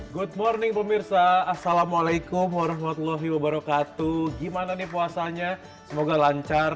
good morning pemirsa assalamualaikum warahmatullahi wabarakatuh gimana nih puasanya semoga lancar